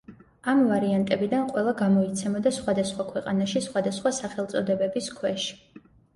ამ ვარიანტებიდან ყველა გამოიცემოდა სხვადასხვა ქვეყანაში სხვადასხა სახელწოდებების ქვეშ.